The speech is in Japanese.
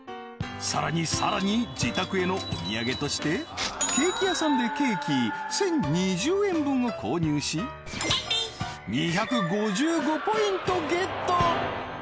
さらにさらに自宅へのお土産としてケーキ屋さんでケーキ１０２０円分を購入し２５５ポイントゲット